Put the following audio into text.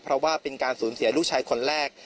เพราะว่าเป็นการสูญเสียลูกชายคนแรก